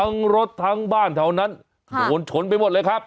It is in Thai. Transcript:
อืมทั้งรถทั้งบ้านเพลามันโฉนไปหมดเลยครับ